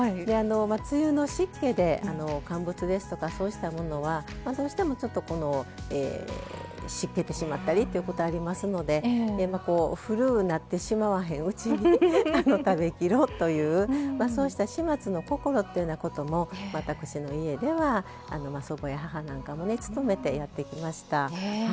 梅雨の湿気で乾物ですとかそうしたものはどうしてもちょっとこのしっけてしまったりということありますので古うなってしまわへんうちに食べきろうというそうした「始末の心」というようなことも私の家では祖母や母なんかもね努めてやってきました。